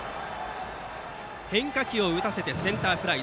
変化球を打たせてセンターフライ。